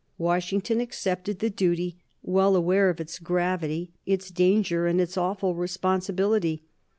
Washington accepted the duty, well aware of its gravity, its danger, its awful responsibility.